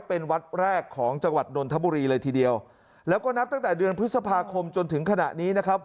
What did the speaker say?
เป็นวัดแรกของจังหวัดนนทบุรีเลยทีเดียวแล้วก็นับตั้งแต่เดือนพฤษภาคมจนถึงขณะนี้นะครับ